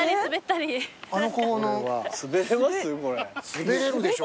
滑れるでしょ。